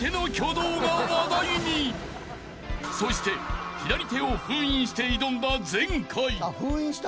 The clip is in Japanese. ［そして左手を封印して挑んだ前回］